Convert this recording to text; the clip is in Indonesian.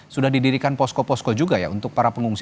sudah didirikan posko posko juga ya untuk para pengungsi